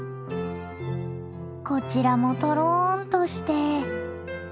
こちらもとろんとして。